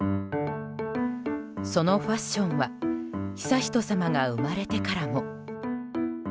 そのファッションは悠仁さまが生まれてからも。